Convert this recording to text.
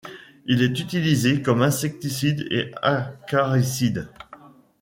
Il est utilisé comme insecticide et acaricide.